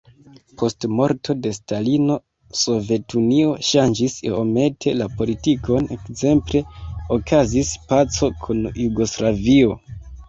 Post morto de Stalino Sovetunio ŝanĝis iomete la politikon, ekzemple okazis paco kun Jugoslavio.